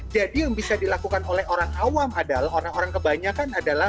jadi yang bisa dilakukan oleh orang awam adalah orang orang kebanyakan adalah